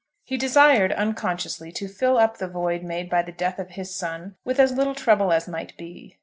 He desired, unconsciously, to fill up the void made by the death of his son with as little trouble as might be.